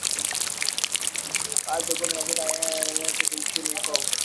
Watu kumi na sita wakiwemo wanajeshi tisa walifikishwa mahakamani siku ya Jumatatu nchini Kongo